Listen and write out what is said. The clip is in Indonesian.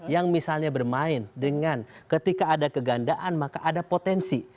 yang misalnya bermain dengan ketika ada kegandaan maka ada potensi